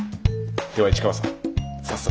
では市川さん早速。